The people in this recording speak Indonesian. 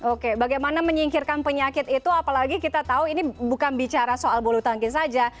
oke bagaimana menyingkirkan penyakit itu apalagi kita tahu ini bukan bicara soal bulu tangkis saja